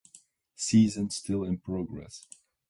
Season still in progress